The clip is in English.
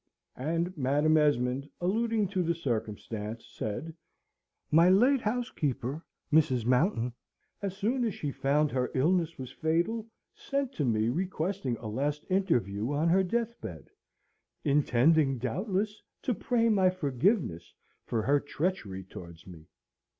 And Madam Esmond, alluding to the circumstance, said: "My late housekeeper, Mrs. Mountain, as soon as she found her illness was fatal, sent to me requesting a last interview on her deathbed, intending, doubtless, to pray my forgiveness for her treachery towards me.